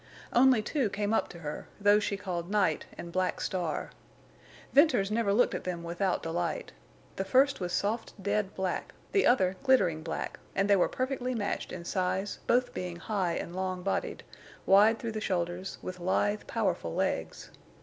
Only two came up to her; those she called Night and Black Star. Venters never looked at them without delight. The first was soft dead black, the other glittering black, and they were perfectly matched in size, both being high and long bodied, wide through the shoulders, with lithe, powerful legs.